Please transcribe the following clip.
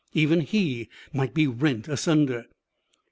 Even he might be rent asunder.